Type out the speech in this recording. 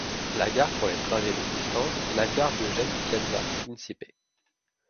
La gare pour les trajets longue distance est la gare de Gênes-Piazza-Principe.